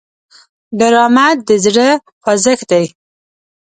ډرامه د زړه خوځښت دی